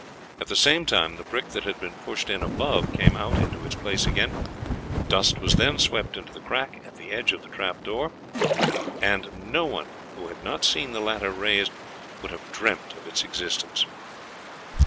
At the same time the brick that had been pushed in above came out into its place again, dust was then swept into the crack at the edge of the trapdoor, and no one who had not seen the latter raised would have dreamt of its existence.